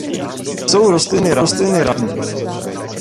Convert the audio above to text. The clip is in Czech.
Jsou rostliny rané i pozdní.